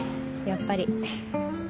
やっぱり。